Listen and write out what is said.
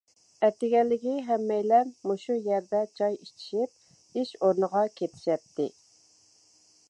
ئەتىگەنلىكى ھەممەيلەن مۇشۇ يەردە چاي ئىچىشىپ ئىش ئورنىغا كېتىشەتتى.